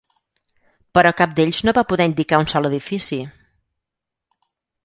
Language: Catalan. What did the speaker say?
Però cap d'ells no va poder indicar un sol edifici...